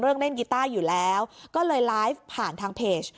เล่นกีต้าอยู่แล้วก็เลยไลฟ์ผ่านทางเพจ